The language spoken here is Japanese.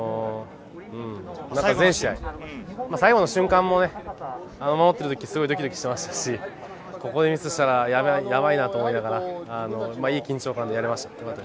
全試合、最後の瞬間も守っているときドキドキしましたし、ここでミスしたらやばいなと思いながら、いい緊張感でやれました。